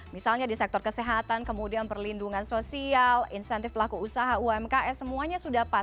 misalnya di sektor kesehatan kemudian perlindungan sosial insentif pelaku usaha umkm semuanya sudah pas